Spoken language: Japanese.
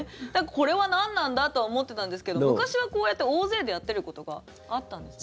これは何なんだとは思ってたんですけど昔はこうやって大勢でやってることがあったんですね。